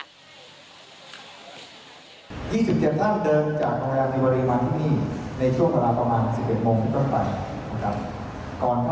ยี่สิบเจ็ดท่านเดินจากโรงพยาบาลในบริมาณที่นี่ในช่วงเวลาประมาณสิบเอ็ดโมงก็ไปนะครับ